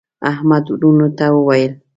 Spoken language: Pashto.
احمد وروڼو ته وویل: